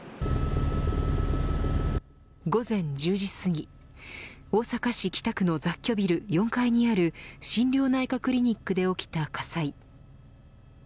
午前１０時すぎ大阪市北区の雑居ビル４階にある心療内科クリニックで起きた火災。